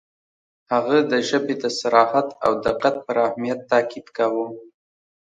• هغه د ژبې د صراحت او دقت پر اهمیت تأکید کاوه.